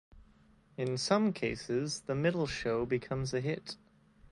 In some cases, the middle show becomes a hit.